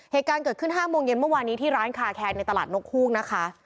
เหตุการณ์เกิดขึ้น๕โมงเย็นเมื่อวานนี้ที่ร้านคาแคร์ในตลาดนกฮูกนะคะ